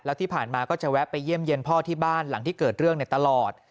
แล้วที่ผ่านมาก็จะแวะไปเยี่ยมเยี่ยมพ่อที่บ้านหลังที่เกิดเรื่องตลอด